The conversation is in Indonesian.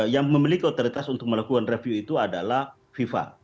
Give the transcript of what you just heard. yang memiliki otoritas untuk melakukan review itu adalah fifa